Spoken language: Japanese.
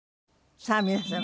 さあ皆様